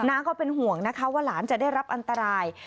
ก็เป็นห่วงนะคะว่าหลานจะได้รับอันตราย